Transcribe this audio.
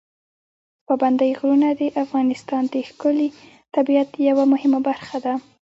پابندي غرونه د افغانستان د ښکلي طبیعت یوه مهمه برخه ده.